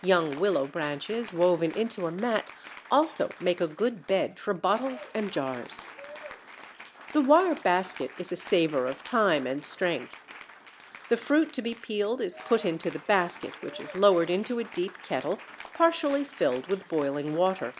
Young willow branches, woven into a mat, also make a good bed for bottles and jars. [Illustration: FIG. 1. Wire basket.] The wire basket is a saver of time and strength (fig. 1). The fruit to be peeled is put into the basket, which is lowered into a deep kettle partially filled with boiling water.